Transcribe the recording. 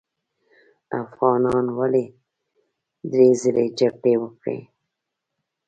افغانانو ولې درې ځلې جګړې وکړې.